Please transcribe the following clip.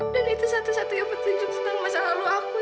dan itu satu satunya petunjuk tentang masa lalu aku